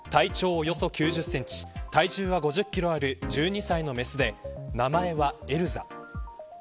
およそ９０センチ体重は５０キロある１２歳のメスで名前はエルザ。